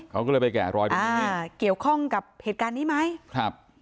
เขาก็เลยไปแกะรอยตรงนี้เนี่ยเกี่ยวข้องกับเหตุการณ์นี้ไหมครับ